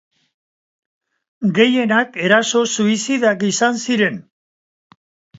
Gehienak eraso suizidak izan ziren.